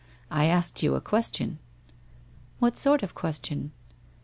I asked you a question.' * What sort of question